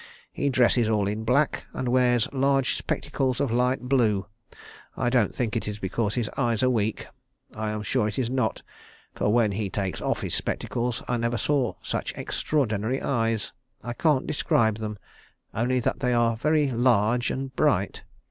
He dresses all in black, and wears large spectacles of light blue. I don't think it is because his eyes are weak. I am sure it is not; for when he takes off his spectacles I never saw such extraordinary eyes. I can't describe them, only that they are very large and bright.